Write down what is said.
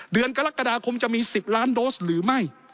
เดือนกรกฎาคมจะมี๑๐ล้านโดสหรือไม่